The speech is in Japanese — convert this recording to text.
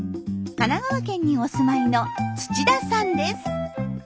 神奈川県にお住まいの田さんです。